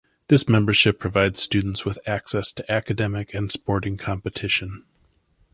This membership provides students with access to academic and sporting competition.